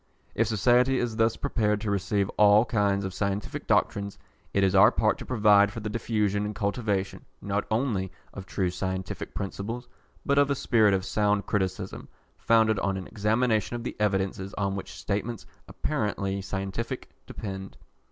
If society is thus prepared to receive all kinds of scientific doctrines, it is our part to provide for the diffusion and cultivation, not only of true scientific principles, but of a spirit of sound criticism, founded on an examination of the evidences on which statements apparently scientific depend.